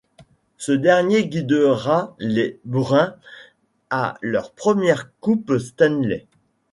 Ce dernier guidera les Bruins à leur première Coupe Stanley.